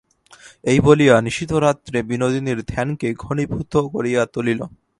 এই বলিয়া নিশীথরাত্রে বিনোদিনীর ধ্যানকে ঘনীভূত করিয়া তুলিল।